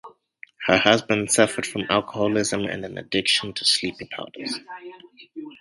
Her husband suffered from alcoholism and an addiction to sleeping powders.